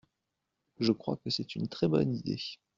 Je crois que c’est une très bonne idée !